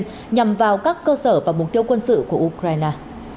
ngoại truyền thống của nga đã đối xử với các cơ sở và mục tiêu quân sự của ukraine